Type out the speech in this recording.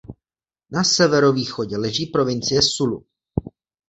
Na severovýchodě leží provincie Sulu.